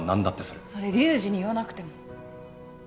それ龍二に言わなくても。